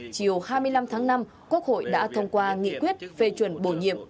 chiều hai mươi năm tháng năm quốc hội đã thông qua nghị quyết phê chuẩn bổ nhiệm